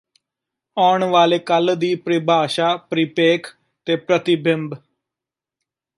ਆਉਣ ਵਾਲੇ ਕੱਲ ਦੀ ਪਭਿਾਸ਼ਾ ਪਰਿਪੇਖ ਅਤੇ ਪ੍ਰਤੀਬਿੰਬ